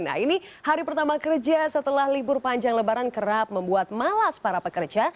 nah ini hari pertama kerja setelah libur panjang lebaran kerap membuat malas para pekerja